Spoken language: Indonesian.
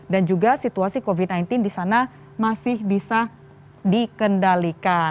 dan juga situasi covid sembilan belas di sana masih bisa dikendalikan